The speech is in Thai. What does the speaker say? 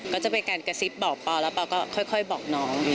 ก็จะเป็นการกระซิบบอกปอแล้วปอก็ค่อยบอกน้อง